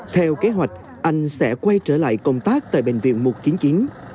theo kế hoạch anh sẽ quay trở lại công tác tại bệnh viện một trăm chín mươi chín